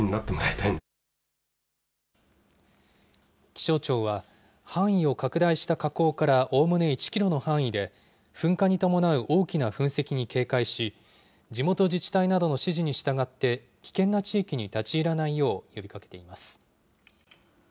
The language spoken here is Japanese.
気象庁は、範囲を拡大した火口からおおむね１キロの範囲で、噴火に伴う大きな噴石に警戒し、地元自治体などの指示に従って、危険な地域に立ち入らないよう呼びかけています。